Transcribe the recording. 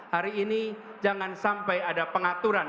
hari ini jangan sampai ada pengaturan